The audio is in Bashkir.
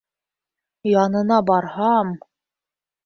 Янына барһам...